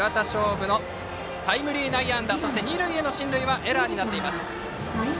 夢のタイムリー内野安打そして二塁への進塁はエラーになっています。